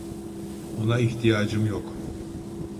Ona ihtiyacım yok.